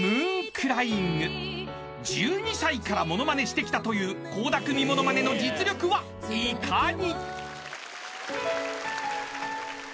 ［１２歳からモノマネしてきたという倖田來未モノマネの実力はいかに⁉］